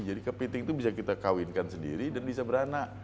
jadi kepiting itu bisa kita kawinkan sendiri dan bisa beranak